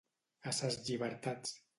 A ses llibertats.